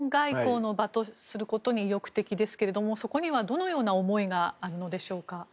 岩井先生、岸田総理は国葬を弔問外交の場とすることに意欲的ですけどそこにはどのような思いがあるのでしょうか。